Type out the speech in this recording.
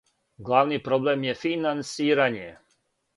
Главни проблем је финансирање.